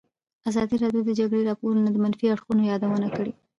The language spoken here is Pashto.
ازادي راډیو د د جګړې راپورونه د منفي اړخونو یادونه کړې.